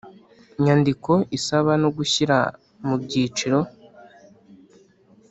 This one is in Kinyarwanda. Nyandiko isaba no gushyira mu byiciro